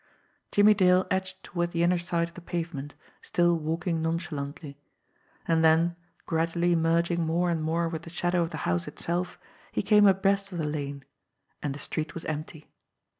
Jimmie Dale edged toward the inner side of the pavement, still walking nonchalantly. And then, gradually merging more and more with the shadow of the house itself, he came abreast of the lane and the street was empty.